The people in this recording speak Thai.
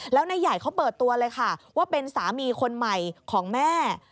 แล้วนายใหญ่เขาเปิดตัวเลยค่ะว่าเป็นสามีคนใหม่ของแม่